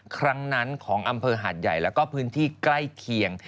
ครั้งนั้นของอำเภอหาดใหญ่แล้วก็พื้นที่ใกล้เคียง